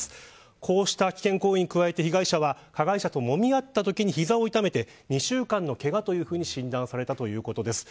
こうした危険行為に加えて被害者は加害者ともみ合ったときに膝を痛めて２週間のけがと診断されたということです。